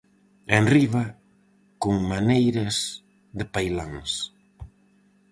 E enriba, con maneiras de pailáns.